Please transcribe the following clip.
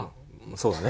そうだね。